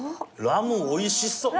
ラムおいしそう。